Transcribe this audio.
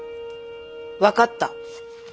分かった。